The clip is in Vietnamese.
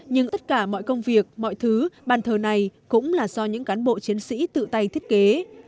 nhưng tất cả mọi công việc mọi thứ bàn thờ này cũng là do những cán bộ chiến sĩ tự tay thiết kế